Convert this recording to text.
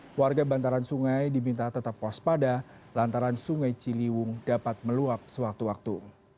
keluarga bantaran sungai diminta tetap waspada lantaran sungai ciliwung dapat meluap sewaktu waktu